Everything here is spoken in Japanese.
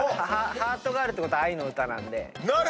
ハートがあるってことは愛の歌なんで。